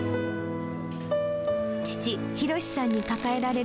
父、寛さんに抱えられる